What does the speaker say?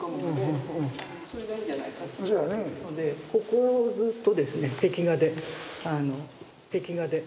ここをずっとですね壁画で壁画で。